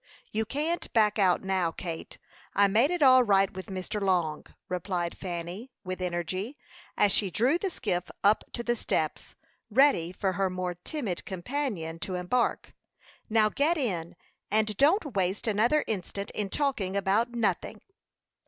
"You can't back out now, Kate. I made it all right with Mr. Long," replied Fanny, with energy, as she drew the skiff up to the steps, ready for her more timid companion to embark. "Now, get in, and don't waste another instant in talking about nothing."